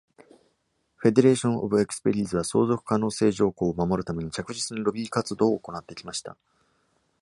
Federation of Expellees は相続可能性条項を守るために、着実にロビー活動を行ってきました。